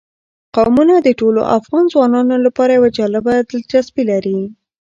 قومونه د ټولو افغان ځوانانو لپاره یوه جالبه دلچسپي لري.